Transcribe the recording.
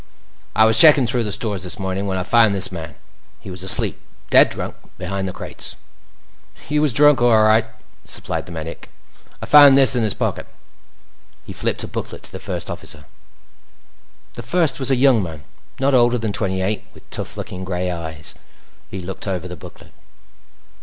"I was checking through the stores this morning when I found this man. He was asleep, dead drunk, behind the crates." "He was drunk, all right," supplied the medic. "I found this in his pocket." He flipped a booklet to the First Officer. The First was a young man, not older than twenty eight with tough looking gray eyes. He looked over the booklet.